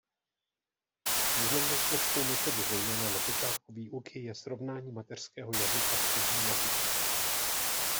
Významnou složkou metody zejména na počátku výuky je srovnání mateřského jazyka s cizím jazykem.